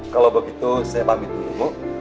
kalau begitu saya pamit dulu